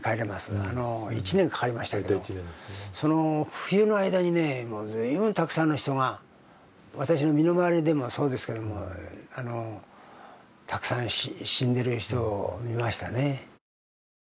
冬の間に随分たくさんの人が私の身の回りでもそうですけども、たくさん死んでいる人を見ましたね。